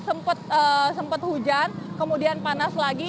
sempat hujan kemudian panas lagi